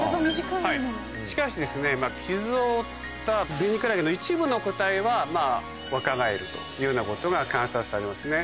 しかし傷を負ったベニクラゲの一部の個体は若返るというようなことが観察されますね。